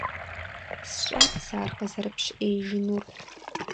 СщӀат сэ ар къызэрыпщыӀеижынур.